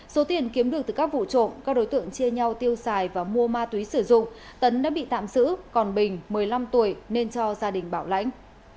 số tiền kiếm được từ các vụ trộm các đối tượng chia nhau tiêu xài và mua ma túy sử dụng tấn đã bị tạm giữ còn bình một mươi năm tuổi nên cho gia đình bảo lãnh